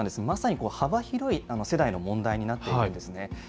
まさに幅広い世代の問題になっているんですね。